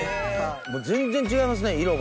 もう全然違いますね色が。